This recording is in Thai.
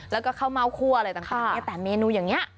แล้วก็ข้าวเม่าคั่วอะไรต่างแต่เมนูอย่างนี้